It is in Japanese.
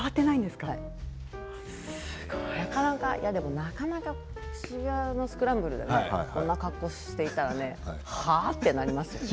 なかなか渋谷のスクランブルでこんな格好していたらはあ？ってなりますね。